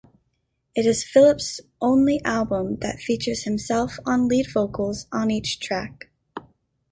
It is Phillips' only album that features himself on lead vocals on each track.